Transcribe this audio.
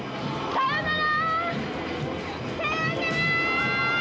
さようなら！